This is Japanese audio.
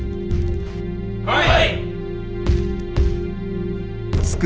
はい！